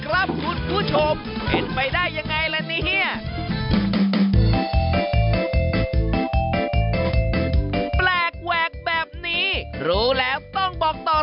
รู้แล้วต้องบอกต่อ